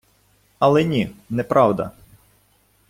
Але ні, неправда.